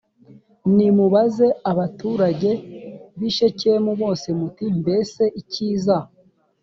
nimubaze abaturage b i shekemu bose muti mbese icyiza